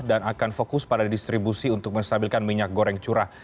dan akan fokus pada distribusi untuk menstabilkan minyak goreng curah